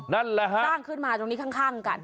นั่นแหละฮะสร้างขึ้นมาตรงนี้ข้างกัน